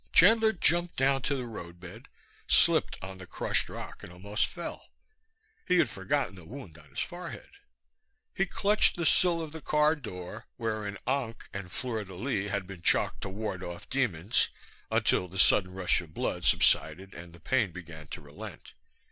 Chandler jumped down to the roadbed, slipped on the crushed rock and almost fell. He had forgotten the wound on his forehead. He clutched the sill of the car door, where an ankh and fleur de lis had been chalked to ward off demons, until the sudden rush of blood subsided and the pain began to relent.